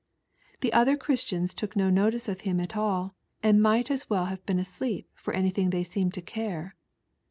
The other Christiana took no notice of him at all and might as well have been asleep for anything they seemed to care.